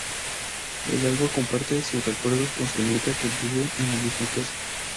Al alba comparte sus recuerdos con su nieta que vive en la misma casa.